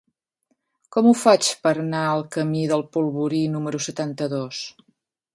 Com ho faig per anar al camí del Polvorí número setanta-dos?